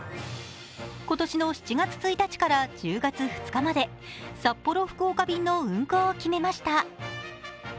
今年の７月１日から１０月２日まで、札幌−福岡便の運航を決めました。